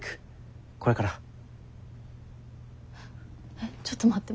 えっちょっと待って。